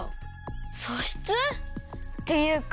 そしつ？っていうか